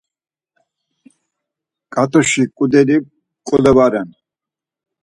Ǩat̆uşi ǩudeli mǩule va ren.